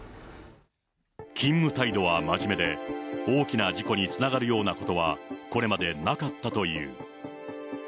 勤務態度は真面目で、大きな事故につながるようなことはこれまでなかったという。